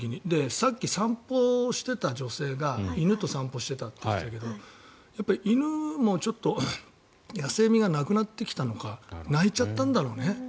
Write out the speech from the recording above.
さっき散歩してた女性が犬と散歩していたって言ってたけどやっぱり犬も野性味がなくなってきたのか鳴いちゃったんだろうね。